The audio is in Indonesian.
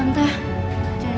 saya tidak tahu siapa itu